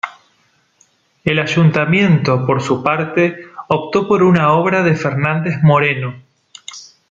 El Ayuntamiento, por su parte, optó por una obra de Fernández Moreno.